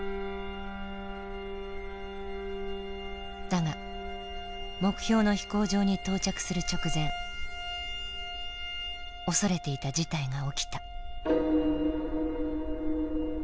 だが目標の飛行場に到着する直前恐れていた事態が起きた。